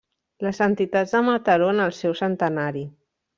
Les entitats de Mataró en el seu centenari.